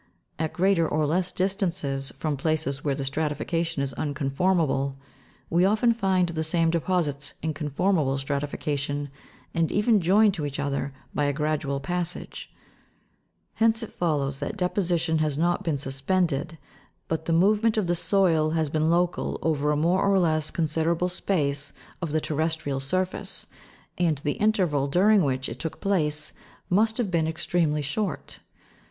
At greater or less distances from places where the stratification is unconformable, we often find the same deposits in conformable stratification, and even joined to each other by a gradual passage ; hence, it follows that deposition has not been suspended, but the movement of the soil has been local over a more or less considerable space of the terrestrial surface, and the interval during which it took place must have been extremely short.